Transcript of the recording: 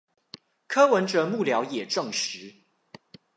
柯文哲幕僚也證實